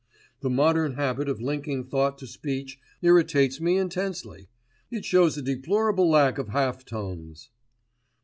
"The modern habit of linking thought to speech irritates me intensely: it shows a deplorable lack of half tones."